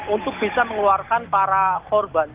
untuk bisa mengeluarkan para korban